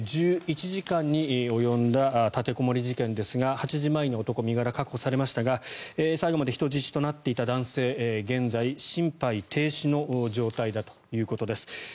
１１時間に及んだ立てこもり事件ですが８時前に男は身柄確保されましたが最後まで人質となっていた男性現在、心肺停止の状態だということです。